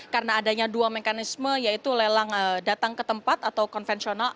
karena adanya dua mekanisme yaitu lelang datang ke tempat atau konvensional